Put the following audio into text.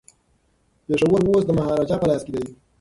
پېښور اوس د مهاراجا په لاس کي دی.